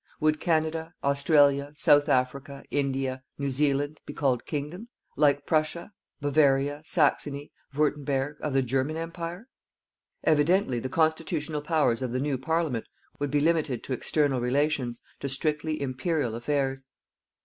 Would Canada, Australia, South Africa, India, New Zealand be called Kingdoms, like Prussia, Bavaria, Saxony, Wurtemberg, of the German Empire? Evidently, the constitutional powers of the new Parliament would be limited to external relations, to strictly Imperial affairs.